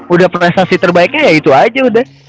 udah prestasi terbaiknya ya itu aja udah